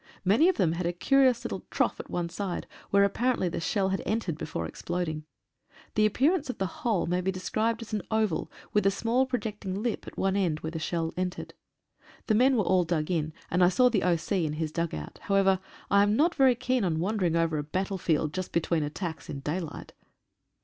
Many of them had a curious little trough at one side where apparently the shell had en tered before exploding. The appearance of the hole may be described as an oval with a small projecting lip at one end where the shell entered. The men were all dug in, and I saw the O.C. in his dug out. However, I am not very keen on wandering over a battlefield, just between attacks in daylight.